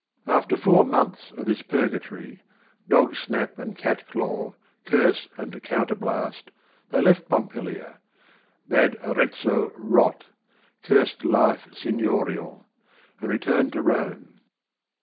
After four months THE OTHER HALF ROME 31 of this purgatory — "Dog snap and cat claw, curse and counterblast" — they left Pompilia; "bade Arezzo rot; cursed life signorial," and re turned to Rome.